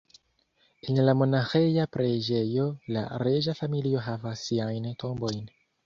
En la monaĥeja preĝejo la reĝa familio havas siajn tombojn.